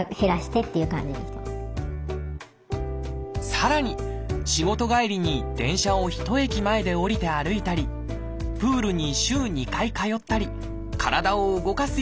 さらに仕事帰りに電車を１駅前で降りて歩いたりプールに週２回通ったり体を動かすようにしました。